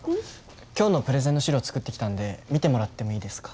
今日のプレゼンの資料作ってきたんで見てもらってもいいですか？